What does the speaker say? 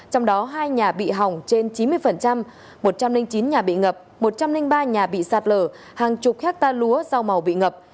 trong đó hai nhà bị hỏng trên chín mươi một trăm linh chín nhà bị ngập một trăm linh ba nhà bị sạt lở hàng chục hectare lúa rau màu bị ngập